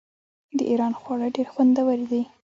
د ایران خواړه ډیر خوندور دي.